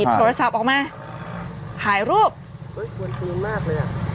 หยิบโทรศัพท์ออกมาถ่ายรูปอุ้ยกว่ากลัวมากเลยอะ